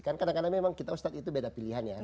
kan kadang kadang memang kita ustadz itu beda pilihan ya